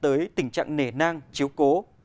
không nhắc tới tình trạng nể nang chiếu cố